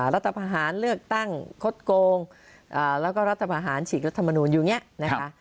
รัฐพาหารเลือกตั้งคดโกงแล้วก็รัฐพาหารฉีกรัฐมนูลอยู่อย่างนี้นะคะ